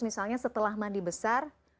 misalnya setelah mandi besar